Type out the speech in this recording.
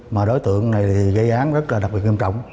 mà đối tượng này gây án rất là đặc biệt nghiêm trọng